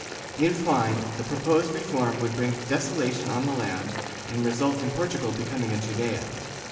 In fine, the proposed reform would bring desolation on the land and result in Portugal becoming a Judea.